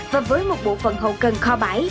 và với một bộ phần hậu cần kho bãi